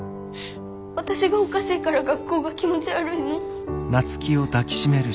私がおかしいから学校が気持ち悪いの？